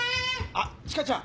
・あっ千賀ちゃん。